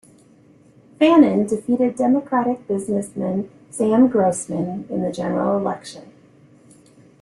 Fannin defeated Democratic businessman Sam Grossman in the general election.